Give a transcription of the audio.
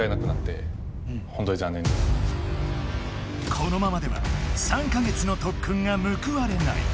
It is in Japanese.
このままでは３か月のとっくんがむくわれない。